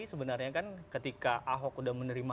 sebenarnya kan ketika ahok sudah menerima